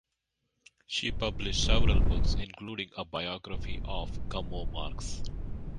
She published several books, including a biography of Gummo Marx.